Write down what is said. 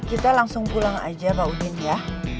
kita langsung pulang aja pak udin ya